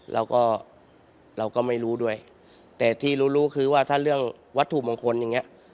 แล้วก็เราก็ไม่รู้ด้วยแต่ที่รู้รู้คือว่าถ้าเรื่องวัตถุมงคลอย่างเงี้ย